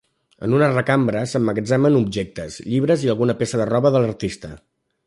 En una recambra s'emmagatzemen objectes, llibres i alguna peça de roba de l'artista.